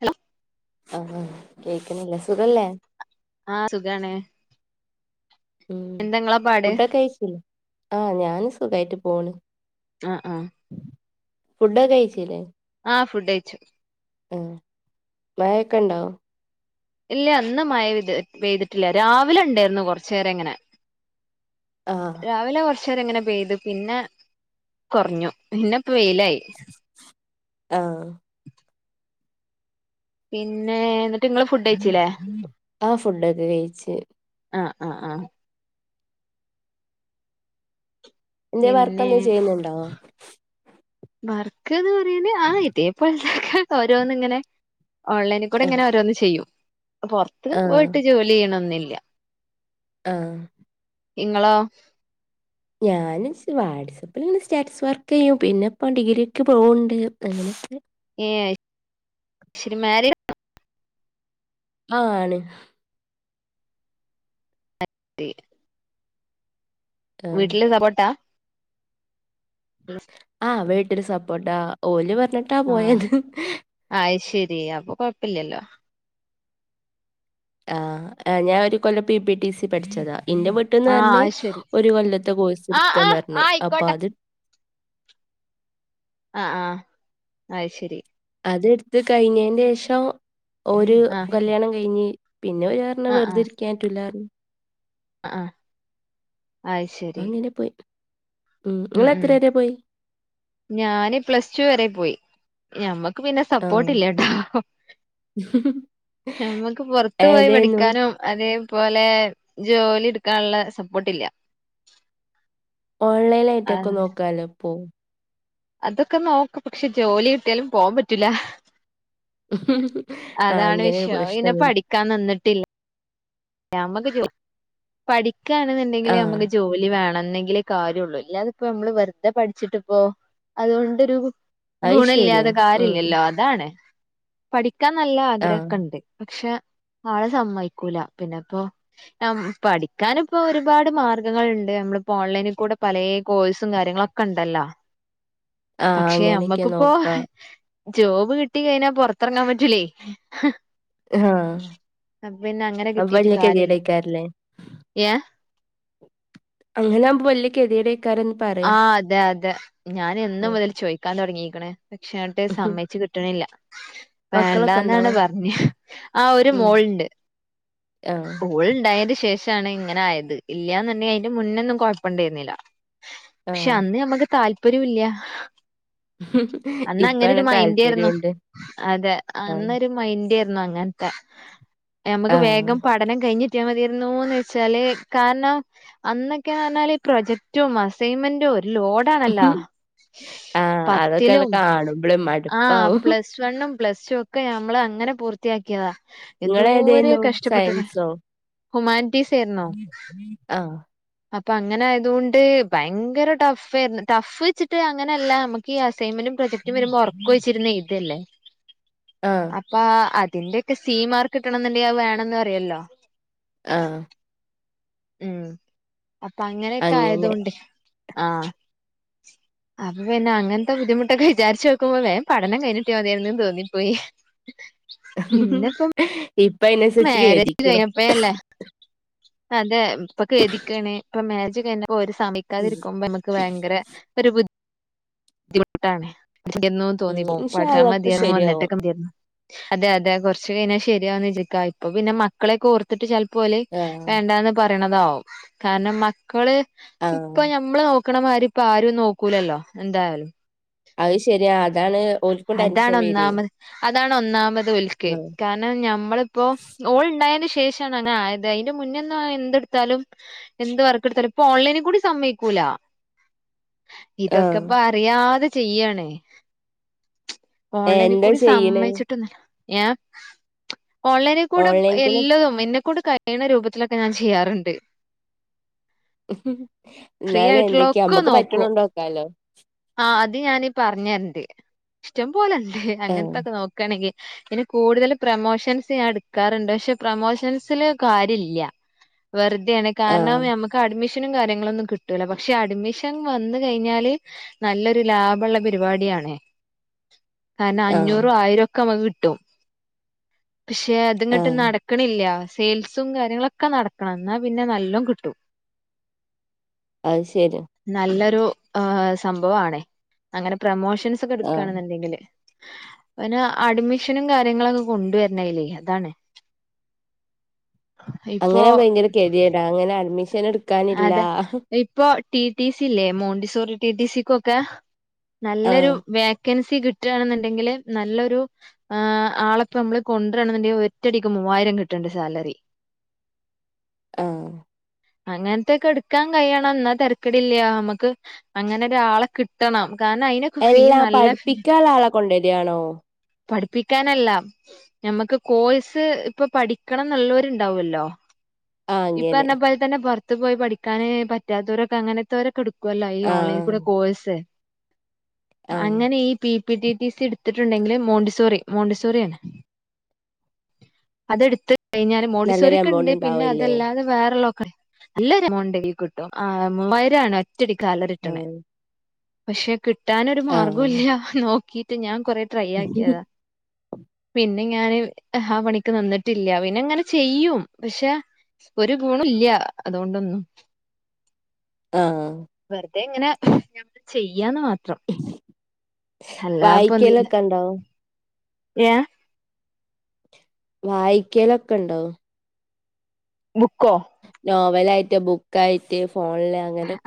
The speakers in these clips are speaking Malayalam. ഹലോ ആഹ് കേൾക്കുന്നില്ല സുഖാല്ലേ ആഹ് സുഖാണ്. ഉം എന്താങ്ങളെ പാട് ഫുഡൊക്കെ കഴിച്ചില്ല ആഹ് ഞാന് സുഖായിട്ട് പോണ്. ആഹ് ആഹ് ഫുഡൊക്കെ കഴിച്ചില്ലേ ആഹ് ഫുഡ് കയ്ച്ചു ഉം മഴയെക്കെ ഉണ്ടോ? ഇല്ല ഇന്ന് മഴ പെയ്തിട്ടില്ല രാവിലെ ഉണ്ടായിരുന്നു കൊറച്ചു നേരം ഇങ്ങനെ- ആഹ് രാവിലെ കുറ കുറച്ചേരം ഇങ്ങനെ പെയ്തു പിന്നെ കുറഞ്ഞു പിന്നെ പ്പ വെയിലായി- ആഹ്- പിന്നെ നിങ്ങള് ഫുഡ് കഴിച്ചില്ലേ ആഹ് ഫുഡൊക്കെ കയിച്ച്- ആഹ് ആഹ് ആഹ് എന്ത്‌ വർക്ക് പിന്നെ എന്തങ്കിലും ചെയ്യുന്നുണ്ടോ വർക്ക് എന്ന് പറയേണെ ആഹ് ഇതേപോലെ- ഓരോന്ന് ഇങ്ങനെ ഓൺലൈനിൽ കൂടെ ആഹ് ഇങ്ങനെ ഓരോന്ന് ചെയ്യും. പുറത്ത് പോയിട്ട് ജോലി ചെയ്യണന്നില്ല- ആഹ്- ഇങ്ങളോ? ഞാൻ സ് വാട്സ്ആപ്പ് ചിലപ്പോൾ ഇങ്ങനെ സ്റ്റാറ്റസ് വർക്ക് ചെയ്യും പിന്നെ ഇപ്പൾ ഡിഗ്രിയ ഒക്കെ പോകുന്നുണ്ട് അങ്ങനെയൊക്കെ ഏഹ് ശരി മാരീഡ് ആണോ? ആഹ് ആണ്. [inaudible] ആഹ് വീട്ടില് കപട്ടാ [inaudible] ആഹ് വീട്ടിൽ സപ്പോർട്ടാ ഓല് പറഞ്ഞിട്ടാ പോയത്- അയ് ശരി അപ്പൊ കൊഴപ്പില്ലല്ലോ? ആ ഞാന ഒരു കൊല്ലം പി പി ടി സി പഠിച്ചതാ എന്റെ വിട്ട് ന്ന് ആഹ് പറഞ്ഞ് അയ്ശരി ഒരു കൊല്ലത്തെ കോഴ്സ് ആഹ് എടുക്കാൻ ആഹ് പറഞ്ഞ് അപ്പൊ ആയിക്കോട്ടെ അത് ആഹ് ആഹ് അയ്ശരി അത് എടുത്ത് കഴിഞ്ഞിന്റെ ശേഷം ഒരു ആഹ് കല്യാണം കഴിഞ്ഞ് പിന്നെ ഒരു- ആഹ് വെറുതെ ഇരിക്കാൻ പറ്റൂല്ല പറയും ആഹ് ആഹ് ആയി അങ്ങനെ പോയി ഉം നിങ്ങൾ എത്ര വരെ പോയി? ഞാന് പ്ലസ് ടു വരെ പോയി. ഞമ്മക്ക് പിന്നെ ആഹ് സപ്പോർട്ട് ഇല്ല ട്ടോ നമ്മക്ക് പുറത്ത് പോയി ഏതേന്നു പഠിക്കാനും അതേപോലെ ജോലി എടുക്കാനുള്ള സപ്പോർട്ടില്ല. ഓൺലൈൻ ആയിട്ടൊക്കെ ആഹ് നോക്കാലോ പോ? അതൊക്കെ നോക്കും പക്ഷെ ജോലി കിട്ടിയാലും പോവാൻ പറ്റൂല ആഹ് അതാണ് അങ്ങനെ ഒരു വിഷയം അപ്പോ പിന്നെ പ്രശ്നം വരും പഠിക്കാൻ നിന്നിട്ടില്ല നമക്ക് ജോ പഠിക്കണെന്നുണ്ടെങ്കിൽ ആഹ് നമ്മക്ക് ജോലി ജോലി വേണന്നെങ്കിലേ കാര്യള്ളു ഇല്ലാതിപ്പോ നമ്മള് വെറുതെ പഠിച്ചിട്ടിപ്പോ അതുകൊണ്ടൊരു അത് ഗുണ ശരിയാ ഇില്ലാതെ ഉം കാര്യല്ലല്ലോ? അതാണ് പഠിക്കാൻ നല്ല ആഹ് ആഗ്രഹൊക്കണ്ട് പക്ഷെ ആള് സമ്മതിക്കൂല പിന്നെപ്പോ പഠിക്കാന ഇപ്പോ ഒരുപാട് മാർഗങ്ങളുണ്ട് നമ്മളിപ്പോ ഓൺലൈനിൽ കൂടെ പല കോഴ്സും കാര്യങ്ങളൊക്കെ ക്കൊണ്ടല്ലോ ആഹ് പക്ഷെ അങ്ങനെയൊക്കെ നമ്മക്കിപ്പോ നോക്കാ ജോബ് കിട്ടി കഴിഞ്ഞാ പൊറത്തിറങ്ങാൻ പറ്റൂല്ലയ് ആഹ് ആഹ് പിന്നെ അങ്ങനെ കിട്ടി അപ്പൊ വല്യ ഗതികേട് കാരംല്ലേ അങ്ങനാവുമ്പൊ വല്ല്യ കെത്യേടയ്ക്കാരം ആഹ് അതെ അതെ ഞാനെന്ന് ഉം മുതൽ ചോയ്ക്കാൻ തൊടങ്ങീക്ക്‌ണ്- പക്ഷെങ്ങട്ട് സമ്മയ്ച്ച് കിട്ട്ണില്ല. മക്കളൊക്കെ വേണ്ടന്നാണ് ഉണ്ടാവും? പർഞ്ഞ് ആഹ് ഒര് ഉം മോള്ണ്ട്. ആഹ് ഓള്ണ്ടായേൻ്റെ ശേഷാണ് ഇങ്ങനായത് ഇല്ല്യാന്ന്ണ്ടെങ്കി അയ്ന്റെ മുന്നൊന്നും കൊയ്പ്പണ്ടായ്ന്നീല്ല പക്ഷെ ആഹ് അന്ന് നമ്മക്ക് താല്പര്യൂല്ല ഇപ്പാണ് അന്നങ്ങനൊരു മൈൻഡേര്ന്നു താല്പര്യണ്ട്. അതെ ആഹ് അന്നൊരു മൈൻഡേര് ന്നു അങ്ങൻത്തെ നമ്മക്ക് ആഹ് വേഗം പഠനം കഴിഞ്ഞ്ട്ട്യാ മതിയേര്ന്നുന്ന് വെച്ചാല് കാരണം അന്നൊക്കേന്ന് പർഞ്ഞാല് പ്രൊജക്ട് റ്റും അസൈൻമെൻ്റും ഒര് ലോ ണല്ലൊ ആഹ് അതൊക്കെണ്ട് പത്തിലും കാണുമ്പള് ആഹ് മടുപ്പാവും. പ്ലസ് പ്ലസ് വണ്ണും പ്ലസ ടും ഒക്കെ നമ്മള് അങ്ങനെ പൂർത്തിയാക്കിയതാ എന്തോര് ഇങ്ങളേതേന്നു കഷ്ടപ്പെട്ട്ണ് സയൻസോ? ഹുമാനിറ്റീസേര്ന്നു ആഹ് അപ്പങ്ങനായതോണ്ട് ട്ട് ഭയ്ങ്കര ടഫേര്ന്ന് ടഫ്ച്ച്ട്ട് അങ്ങനല്ല നമ്മക്കി അസൈൻമെന്റും പ്രൊജക്ടും വര്മ്പോ ഒർക്കൊയ്ച്ചിര്ന്നെയ്തല്ലേ ആഹ് അപ്പാ അതിൻ്റൊക്കെ സീ മാർക്ക്ട്ടണംന്ന്ണ്ടെങ്കി അത് വേണന്നറിയല്ലോ ആഹ് ഉം അങ്ങനെ അപ്പങ്ങനൊക്കായതോണ്ട് ആഹ് അപ്പപിന്നെ അങ്ങൻത്തെ ബുദ്ധിമുട്ടൊക്കെ വിചാര്ച്ചോക്ക്മ്പൊ വേം പഠനം കയിഞ്ഞ്ട്ട്യാ മതിയായിര്ന്ന് തോന്നിപ്പോയി ഇപ്പയ്ന് മാര്യേജ് കയ്ഞ്ഞപ്പയല്ലേ അതെ ഇപ്പൊ ഖേദിക്കാണ് ഇപ്പ മേജ് കയ്ഞ്ഞപ്പോര് ഉം സമയ്ക്കാതിര്ക്ക്മ്പൊ മ്മക്ക് ഇക്ക് ഭയങ്കര ഒരു ബു ദ്ധിമുട്ടാണ് പഠ്ചെണ്ടേയ്നു ഉം തോന്നിപ്പോവും ഇൻഷാ പഠ്ച്ചാ അള്ളാ ഒക്കെ മതിയാര്ന്നു ശരിയാവും. വന്ന്ട്ടൊക്കെ മതിയാര്ന്നു അതെ അതെ കൊർച്ച് കയ്ഞ്ഞാ ശരിയാവുന്ന് വിചാര്ക്കാ ഇപ്പൊ പിന്നെ മ മക്കളെക്കോർത്തിട്ട് ചെൽപ്പോല് ആഹ് വേണ്ടാന്ന് പറയ്ണതാവും കാരണം മക്കള് ഇപ്പൊ ആഹ് ഞമ്മള് നോക്ക്ണമാരിപ്പാരും നോക്കൂലല്ലോ എന്തായാലും അത് ശരിയാ അതാണ് ഓൽക്കും ടെൻഷൻ വരെ. അതാണൊന്നാമത് അതാണൊന്നാമത് ഓൽക്ക് ആഹ് ക ണം ഞമ്മള്പ്പോ ഓള്ണ്ടായീൻ്റെ ശേഷാണ് അങ്ങനായത് അയ്ന്റെ മുന്നൊന്നും എന്തെട്ത്താലും എന്ത് വർക്കെട്ത്താലും ഇപ്പോൺലൈന്ക്കൂടിം സമ്മയ്ക്കൂല ഇതൊ ആഹ് അറിയാതെ ചെയ്യാണ് എന്താ ഓൺലൈന്ക്കൂടിം ചെയ്യണ് സമ്മയ്ച്ച്ട്ടൊന്നല്ല ഏഹ് ഓൺലൈന്ക്കൂടെ ഓൺലൈൻ കൂടെ എല്ലതും ഇന്നെക്കൊണ്ട് ക യ്യ്ണ രൂപത്തിലൊക്കെ ഞാൻ ചെയ്യാറ്ണ്ട് ഫ്രീ ആയിട്ടുള്ള ന്നാലെന്തൊക്കെ ഒക്കെ അമ്മക്ക് നോക്കും. പറ്റ്ണ്‌ണ്ടാക്കാലോ ആഹ് അത് ഞാന് പർഞ്ഞെര്ണ്ട് ഇഷ്ടമ്പോലണ്ട് ആഹ് അങ്ങൻത്തൊക്കെ നോക്കാണെങ്കി പിന്നെ കൂട്തല് പ്രമോഷൻസ് ഞാൻ ട്ക്കാറ്ണ്ട് പക്ഷെ പ്രമോഷൻസില് കാര്യല്ല വെർതേണ് ആഹ് കാരണം ഞമ്മക്ക് അഡ്മിഷനും കാര്യങ്ങളൊന്നും കിട്ടൂല പക്ഷെ അഡ്മിഷൻ വന്ന് കയ്ഞ്ഞാല് നല്ലൊരു ലാഭള്ള പരിപാടിയാണ് കാരണം ആഹ് അഞ്ഞൂറു ആയിരു ഒക്കെമ്മക്ക് കിട്ടും പക്ഷെ അതങ്ങട്ട് ആഹ് നടക്ക്ണില്ല സെയിൽസും കാര്യങ്ങളൊക്കെ നടക്കണം എന്നാ പിന്നെ നല്ലം കിട്ടും അത് ശരിയാ നല്ലൊരു ആഹ് സംഭവാണ് അങ്ങനെ ആഹ് പ്രമോഷൻസൊക്കെട്ക്കാണ്ന്ന്ണ്ടെങ്ങ്ങ്കില് പിന്നെ അഡ്മിഷനും കാര്യങ്ങളൊക്കെ കൊണ്ടുവര്ണയ്ലേ അതാണ് ഇപ്പോ അങ്ങനാവ്മ്പൊ ഭയങ്കര കെതിയേടാ അങ്ങനഡ്മിഷനിട് അതെ ഇപ്പൊ ടി ടി സില്ലേ മോണ്ടിസോറി ടി ടി സിക്കൊക്കെ നല്ലൊരു ആഹ് വേക്കൻസി കിട്ടാണ്ന്ന്ണ്ടെങ്കില് നല്ലൊരു ആ ആളെപ്പോ മ്മള് കൊണ്ടുവരണുന്നുണ്ടെങ്കിൽ ഒറ്റയടിക്ക് മൂവായിരം കിട്ടണ്ട് സാലറി ആഹ് അങ്ങനത്തെക്കെ എടുക്കാൻ കഴിയണം എന്നാ തരക്കടില്ല്യ നമുക്ക് അങ്ങനെ ഒരാളെ കിട്ടണം കാരണം അയിന എല്ലാ പഠിപ്പിക്കാള്ള ആളെ കൊണ്ടരാണോ? പഠിപ്പിക്കാനല്ല. ഞമ്മക്ക് കോഴ്സ് ഇപ്പൊ പഠിക്കണം ന്ന്ള്ളോര്ണ്ടാവൊല്ലോ. ആഹ് അങ്ങനെ ഇപ്പറഞ്ഞ പോലെ തന്നെ പൊറത്തു പോയ് പഠിക്കാന് പറ്റാത്തോരൊക്കെ അങ്ങനത്തോരൊക്കെ എടു തും അല്ല ഈ ഓൺലൈനിൽ ആഹ് കൂടെ കോഴ്സ് ആഹ് അങ്ങനെ ഈ P P T T C ഇടുത്തിട്ടുണ്ടെങ്കില് മോണ്ടിസോറി മോണ്ടിസോറിയാണ്. അതെടുത്ത് കയ്ഞ്ഞാല് നല്ലൊരു എമൗണ്ട് മോണ്ടിസോറിക്കെഇണ്ട് പിനെ ഉണ്ടാവല്ലേ അതല്ലാതെ വേറെള്ളോക്കറി നല്ലരെമൗണ്ടെയ്ലികിട്ടും ആ ഒമ്പയ്രാണ് ഒറ്റടിക്കാൾടെ കിട്ടണേ ആഹ് പക്ഷെ കി ട്ടാനൊരു ആഹ് മാർഗൊല്ലഹ് ന്നോക്കിട്ട് ഞാൻ കൊറെ ട്രൈ ആക്ക്‌യെതാ പിനെ ഞാന് ഹ് ആ പണിക്ക് ന്നിന്നിട്ടില്ല പിനിങ്ങനെ ചെയ്യും പഷേ ഒരു ഗുണോല്ല്യ അതുകൊണ്ടൊന്നും. ആ ഹ് വെറുതെ ഇങ്ങനെ ചെയ്യാന്ന് മാത്രം അല്ലാതെ ഇപ്പൊന്നുല്ല വായിക്കലൊക്കെ ഉണ്ടോ യേ വായിക്കലൊക്കെ ഇണ്ടോ? ബുക്കൊ? നോവലായ്റ്റ് ബുക്കായ്റ്റ് ഫോൺല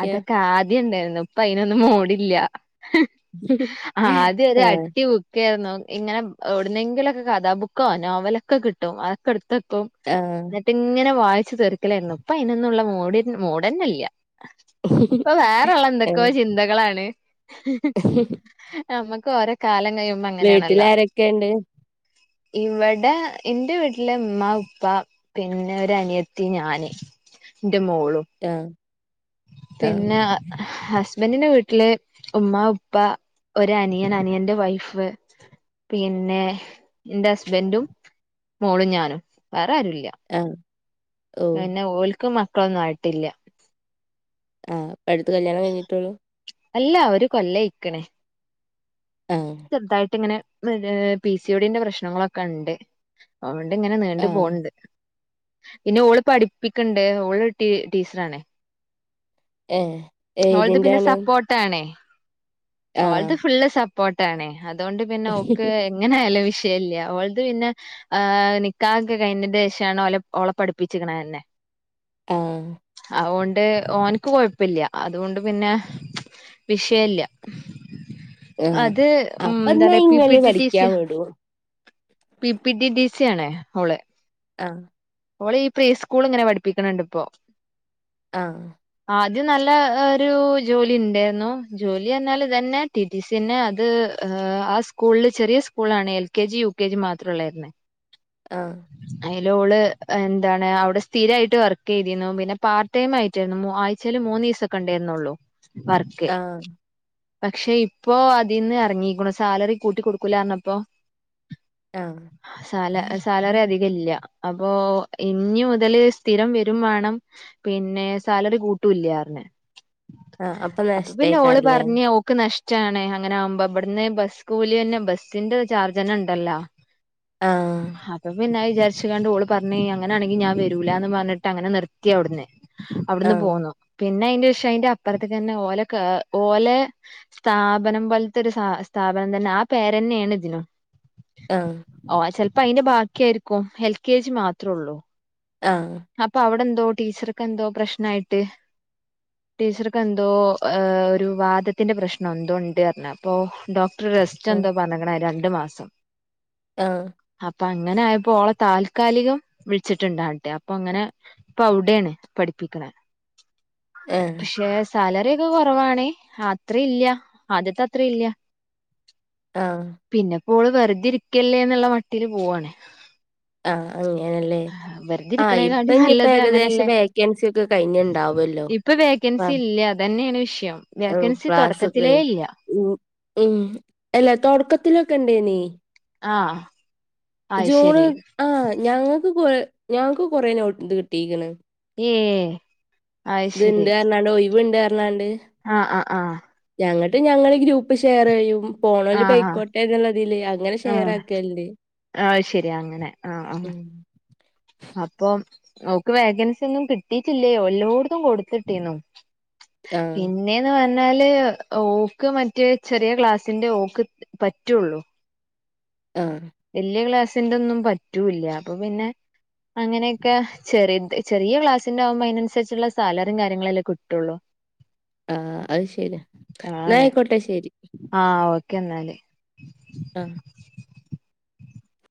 അതൊക്കെ ആദ്യം ഇണ്ടായ്രുന്നു ഇപ്പ അയ്നൊന്നും മൂടില്ല. ആദ്യം ഒര് ആഹ് അട്ടിഉ ടിയേര്ന്നു ഇങ്ങനെ എവ്ട്ന്നെങ്കിലൊക്കെ കഥാബുക്കോ നോവലൊക്കെ കിട്ടും അതൊക്കെ എടുത്തെക്കും. ആ ഹ് ന്ന്ട്ട് ഇങ്ങനെ വായ്ച്ച് തീർക്കലേര്ന്നു ഇപ്പയ്നൊന്നുള്ള മൂട് മൂടെനില്ല. ഇപ്പ വേറ്ള്ള എന്തൊക്കോ ആഹ് ചിന്തകളാണ് ഹ് ഹ്. നമ്മക്ക് ഓരോ കാലം കയ്യുമ്പ അങ്ങനാണല്ലോ? വീട്ടിലാരൊക്കെണ്ട്? ഇവടെ ഇന്റെ വീട്ട്ല് ഉമ്മ ഉപ്പ- പിനെ ഒരനിയത്തി ഞാന് ന്റെ മോളും. ഏ ഹ് പിനെ ഹസ്ബന്റിന്റെ വീട്ട്ല് ഉമ്മ ഉപ്പ. ഒരനിയൻ അനിയന്റെ വൈഫ്. പിനെ ന്റെ ഹസ്ബന്റും മോളും ഞാനും വേറാരുല്ല.. ആ പിനെ ഓൽക്ക്‌ മക്കളൊന്നും ആയ്ട്ടില്ല. ആ ഇപ്പടുത്ത് കല്യാണം കയ്ഞ്ഞിട്ടൊള്ളൂ. അല്ല ഒരു കൊല്ലയ്ക്ക്‌ണ് ആഹ് ചെറ്തായ്ട്ടിങ്ങനെ വ്ത് പി സി ഒഡി ന്റെ പ്രശ്നങ്ങളൊക്കെ ഇണ്ട് അതോണ്ട് ഇങ്ങനെ നീണ്ട് ആഹ് പോണ്ട്. പിനെ ഓള് പഠിപ്പിക്ക്‌ണ്ട് ഓള് ട്ടീ ട്ടീച്ചറാണ്. ഏ ഹ് അവളത് പിനെ സപ്പോട്ടാണേ. ആഹ് ഓൾത് ഫുള്ള് സപ്പോട്ടാണേ അതോണ്ട് പിനെ ഓക്ക് എങ്ങനെ ആയാലും വിഷയില്ല ഓൾത് പിനെ- ഏഹ് നിക്കാഹൊക്കെ കയ്ഞ്ഞെന്റെ ഷാണ് ഓലെ ഓളെ പഠിപ്പിച്ചിക്കണെനെ. ആ ഹ് അതോണ്ട് ഓൻക്ക് കൊഴപ്പില്ല അതോണ്ട് പിനെ വിഷയില്ല. ആഹ് അത് ഉം അപ്പന്നാ ന്താണ് പി പി ഇങ്ങള് ട്ടി പഠിക്കാൻ ട്ടിസിയ- വിടും പി പി ട്ടി ട്ടിസിയാണേ അവ്ള് ആ ഓളീ പ്രീ സ്കൂള്ങ്ങനെ പഠിപ്പിക്കണ്ണ്ട് ഇപ്പോ. ആഹ് ആദ്യം ന്നല്ല ഒരു ജോലിണ്ടായ്ര്ന്നു ജോലി എന്നാല് ഇതനെ- ട്ടി ട്ടി സിഅനേ അത് ആ സ്കൂൾല് ചെറിയ സ്കൂളാണ് L K G U K G മാത്ര ഉള്ളായ്ര്ന്ന്. ആഹ് അയല് ഓള് എന്താണ് അവിടെ സ്ഥിരയിട്ട് വർക്ക് ചെയ്തിരുന്നു പിന്നെ പാർട്ട് ടൈം ആയിട്ടായിരുന്നു മു ആഴ്ച്ചയില് മൂന്ന് ദിവസ ക്കണ്ടേ ന്നുള്ളു വർക്ക് ആഹ് പക്ഷെ ഇപ്പോ അതിന്ന് ഇറങ്ങിക്കുണു സാലറി കൂട്ടി കൊടുക്കൂലാന്ന് പ്പോ ആഹ് സാല സാലറി അധിക ഇല്ല ഓഹ് ഇഞ്ഞി മുതല് സ്ഥിരം വരും വാണം പിന്നെ സാലറി കൂട്ടൂല്യറിഞ്ഞേ ആഹ് അപ്പൊ പിന്നെ ഓള് നഷ്ട്ടേക്കാരല്ലേ? പറഞ്ഞേ ഓ ക്ക് നഷ്ടാണേ അങ്ങനെ ആകുമ്പോ ഇവിടെന്നേ ബസ് കൂലി തന്നെ ബസ്സിന്റെ ചാർജ് തന്നെ ഉണ്ടല്ലോ [inaudible] ആഹ് അപ്പൊ പിന്നൊയി വിചാരിച്ച് കണ്ട് ഓള് പറഞ്ഞ് കഴിഞ്ഞ അങ്ങനെയാണെങ്കി ഞാൻ വരൂല എന്ന് പറഞ്ഞിട്ട് അങ്ങനെ നിർത്തി അവിടെന്ന് അവിടുന്ന് ആഹ് പോന്നു പിന്നെ അയ്ന്റെ ശേ അതിന്റെ അപ്പുറത്തേ തന്നെ ഓലക്ക് ഓലേ സ്ഥാപനം പോലത്തെ ഒരു സാ സ്ഥാപനം തന്നെ ആ പേര്ന്നെയാണ് ഇതിനും ആഹ് ഓഹ് ചിലപ്പോ അയിന്റെ ബാക്കി ആയിരിക്കും എൽ കെ ജി മാത്ര ഉള്ളൂ ആഹ് അപ്പൊ അവിടെ എന്തോ ടീച്ചർക്കെന്തോ പ്രശ്നം ആയിട്ട് ടീച്ചർക്ക് എന്തോ ഏഹ് ഒരു വാതത്തിന്റെ പ്രശ്നം എന്തോ ഉണ്ട് പറഞ്ഞ അപ്പോ ഡോ ട്ര റെസ്റ്റ് ആഹ് എന്തോ പറഞ്ഞേക്കണേ രണ്ട് മാസം ആഹ് അപ്പൊ അങ്ങനെ ആയപ്പോ ഓളെ താൽ താൽക്കാലികം വിളിച്ചിട്ടുണ്ട ആട്ട് അപ്പൊ അങ്ങനെ ഇപ്പൊ അവിടെയാണ് പഠിപ്പിക്കണ് ആഹ് പക്ഷേ സാലറി ഒക്കെ കുറവാണേ അത്ര ഇല്ല്യ ആദ്യത്തെ അത്ര ഇല്ല്യ ആഹ് പിന്നെ പ്പോ ഓള് വെറുതെ ഇരിക്കല്ലേ എന്നുള്ള മട്ടിൽ പോവാണേ ആഹ് അങ്ങനെല്ലേ വെറുതെ ആഹ് ഇപ്പൊ ഇരിക്കണേക്കാട്ടി ഇനിയിപ്പോ നല്ലത് അങ്ങനെയല്ലേ ഏകദേശം വേക്കൻസി ഒക്കെ കഴിഞ്ഞുണ്ടാവുല്ലോ ഇപ്പൊ വേക്കൻസി ഇല്ല്യ അത് തന്നെയാണ് വിഷയം വേക്കൻസി തുടക്കത്തിലേ ഇല്ല്യ ഉമ് ഉമ് അല്ല തുടക്കത്തിലൊക്കെ ഉണ്ടേനി ആഹ് അത് ജൂണ് ശരി ആഹ് ഞങ്ങക്ക് കൊറേ ഞങ്ങക്ക് കൊറേ നോട്ട് ഉണ്ട് കിട്ടീക്കണ് ഏഹ് ഇത്ണ്ട്ർഞ്ഞാണ്ട് ഒഴിവിണ്ട്ർഞ്ഞാണ്ട് ആഹ് ആഹ് ആഹ് ഞങ്ങട്ട് ഞങ്ങള് ഗ്രൂപ്പ് ഷെയർ ചെയ്യും ആഹ് പോണല് ആഹ് പോയിക്കോട്ടെ എന്നുള്ളതില് അങ്ങനെ ഷെയർ ആഹ് ആക്കല്ണ്ട് ആഹ് അത് ശരി അങ്ങനെ ആഹ് ആഹ് ഉമ് അപ്പം ഓക്ക് വേക്കൻസി ഒന്നും കിട്ടീട്ടില്ലയോ എല്ലോടത്തും കൊടു ത്തിട്ടിനു പിന്ന ആഹ് പിന്നെന്ന് പറഞ്ഞാല് ഓക്ക് മറ്റേ ചെറിയ ക്ലാസിന്റെ ഓക്ക് പറ്റുള്ളു ആഹ് വല്ല്യ ക്ലാസിന്റെ ഒന്നും പറ്റൂല്ല അപ്പൊ പിന്നെ അങ്ങനെയൊക്കെ ചെറിത് ചെറിയ ക്ലാസിന്റെ ആകുമ്പോ അതിനനുസരിച്ചുള്ള സാലറിയും കാര്യങ്ങളെല്ലേ കിട്ടുള്ളൂ [inaudible] ആഹ് അയ് ശെരിയാ എന്നാ ആണ് ആയിക്കോട്ടെ ശരി ആഹ് ഓ ക്കെ ന്നാല് ആഹ്